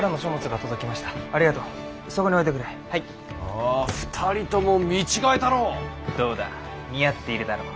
おぉ２人とも見違えたのう。